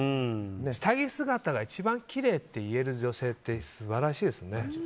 下着姿が一番きれいって言える女性って素晴らしいですね。